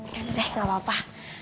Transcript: nih deh gak apa apa